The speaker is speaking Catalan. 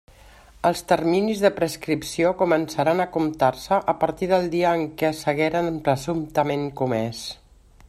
Els terminis de prescripció començaran a comptar-se a partir del dia en què s'hagueren presumptament comés.